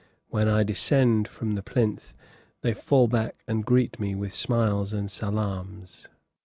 When I descend from the plinth they fall back and greet me with smiles and salaams.